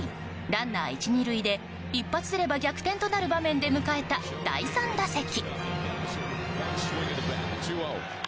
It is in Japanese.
ランナー１、２塁で一発出れば逆転となる場面で迎えた第３打席。